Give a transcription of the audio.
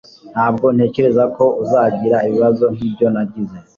Ntabwo ntekereza ko uzagira ibibazo nkibyo nagize.